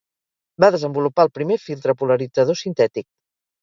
Va desenvolupar el primer filtre polaritzador sintètic.